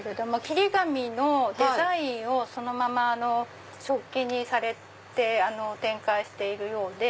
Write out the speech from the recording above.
切り紙のデザインをそのまま食器にされて展開しているようで。